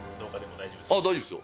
大丈夫ですよ